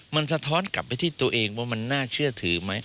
มันสะท้อนกลับไปที่ตัวเองว่ามันน่าเชื่อถือไหม